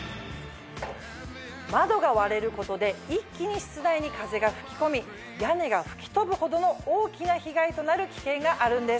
窓が割れることで一気に室内に風が吹き込み屋根が吹き飛ぶほどの大きな被害となる危険があるんです。